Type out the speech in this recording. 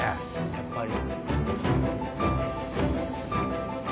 やっぱり。